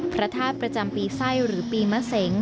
พระธาตุประจำปีไส้หรือปีมะเสง